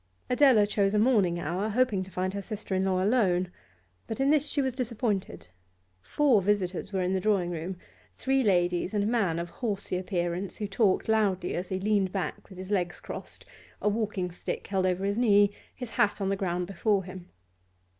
Adela chose a morning hour, hoping to find her sister in law alone, but in this she was disappointed. Four visitors were in the drawing room, three ladies and a man of horsey appearance, who talked loudly as he leaned back with his legs crossed, a walking stick held over his knee, his hat on the ground before him.